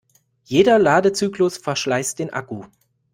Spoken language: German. Jeder Ladezyklus verschleißt den Akku.